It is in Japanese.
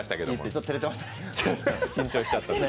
ちょっと照れてましたね。